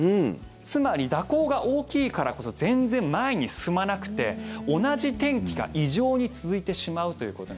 つまり蛇行が大きいからこそ全然前に進まなくて同じ天気が異常に続いてしまうということに。